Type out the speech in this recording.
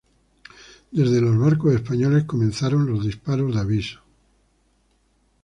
Desde los barcos españoles, comenzaron los disparos de aviso.